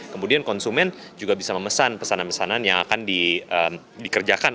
kemudian konsumen juga bisa memesan pesanan pesanan yang akan dikerjakan